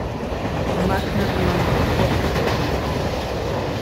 Mae marchnad ym Mangor bob dydd Gwener.